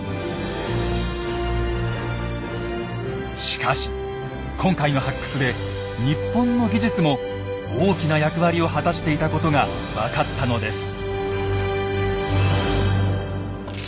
しかし今回の発掘で日本の技術も大きな役割を果たしていたことが分かったのです。